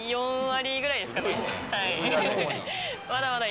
４割くらいですかね。